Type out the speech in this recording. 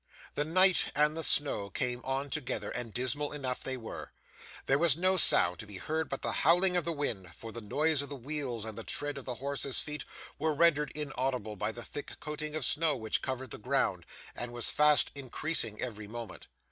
The night and the snow came on together, and dismal enough they were. There was no sound to be heard but the howling of the wind; for the noise of the wheels, and the tread of the horses' feet, were rendered inaudible by the thick coating of snow which covered the ground, and was fast increasing every moment.